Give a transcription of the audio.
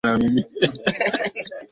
ya maendeleo endelevu maendeleo endelevu